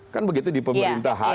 kan begitu di pemerintahan